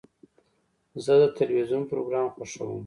زه د تلویزیون پروګرام خوښوم.